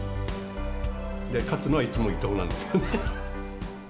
勝のはいつも伊藤なんですよね。